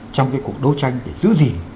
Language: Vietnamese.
trong cuộc đấu tranh để giữ gìn